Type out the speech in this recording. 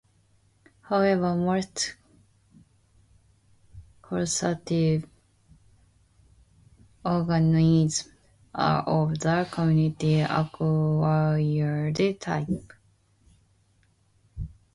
However, most causative organisms are of the community acquired type.